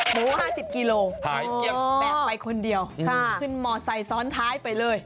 หายเกียรติแปบไปคนเดียวขึ้นหมอไซส์ซ้อนท้ายไปเลย